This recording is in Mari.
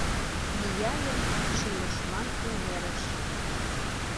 Мияльым ший ошман эҥерыш.